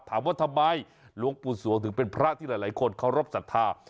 ถามว่าทำไมหลวงปู่สวงถึงเป็นพระที่หลายคนเคารพสัทธา